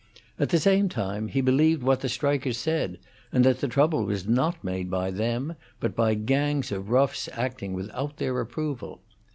At the same time, he believed what the strikers said, and that the trouble was not made by them, but by gangs of roughs acting without their approval.